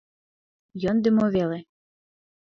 Йӧндымӧ веле.